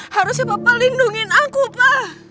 harusnya papa lindungi aku papa